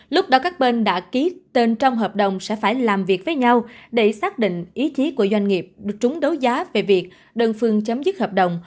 lúc đó các bên đã ký tên trong hợp đồng sẽ phải làm việc với nhau để xác định ý chí của doanh nghiệp được trúng đấu giá về việc đơn phương chấm dứt hợp đồng